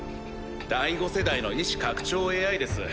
第５世代の意思拡張ＡＩです。